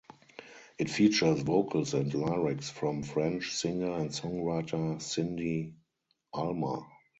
It features vocals and lyrics from French singer and songwriter Cindy Alma.